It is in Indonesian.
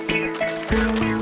darina tuh wer